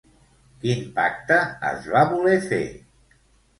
Quin pacte es va voler fer?